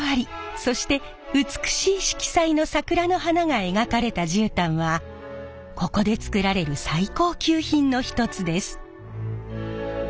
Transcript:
そして美しい色彩の桜の花が描かれた絨毯はここで作られる最高級品の一つです。